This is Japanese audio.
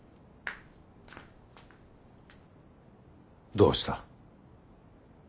どうした。